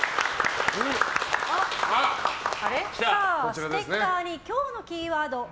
ステッカーに今日のキーワード